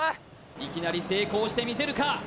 いきなり成功してみせるか？